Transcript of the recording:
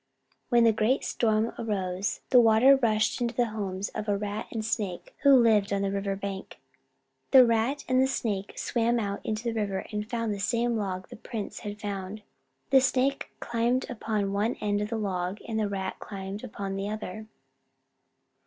When the great storm arose, the water rushed into the homes of a Rat and a Snake who lived on the river bank. The Rat and the Snake swam out into the river and found the same log the prince had found. The Snake climbed upon one end of the log, and the Rat climbed upon the other.